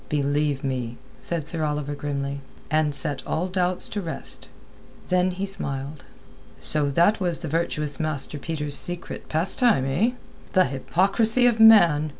"Believe me," said Sir Oliver grimly. "And set all doubts to rest." Then he smiled. "So that was the virtuous Master Peter's secret pastime, eh? The hypocrisy of man!